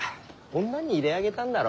女に入れ揚げたんだろ？